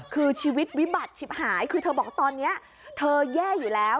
คือชีวิตวิบัติชิบหายคือเธอบอกว่าตอนนี้เธอแย่อยู่แล้ว